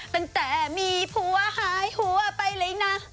ตั้งแต่มีผัวหายหัวไปเลยนะ